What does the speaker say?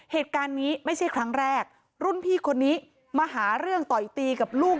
เหตุการณ์นี้ไม่ใช่ครั้งแรกรุ่นพี่คนนี้มาหาเรื่องต่อยตีกับลูก